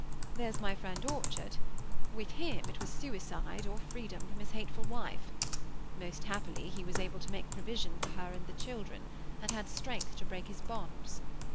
There's my friend Orchard. With him it was suicide or freedom from his hateful wife. Most happily, he was able to make provision for her and the children, and had strength to break his bonds.